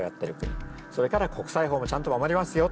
それから国際法もちゃんと守りますよと。